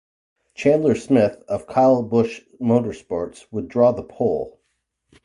Chandler Smith of Kyle Busch Motorsports would draw the pole.